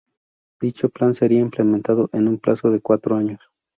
Dicho plan sería implementado en un plazo de cuatro años.